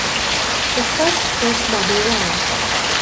The first was Buddy Ryan.